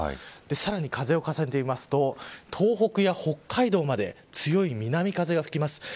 さらに風を重ねてみると東北や北海道まで強い南風が吹きます。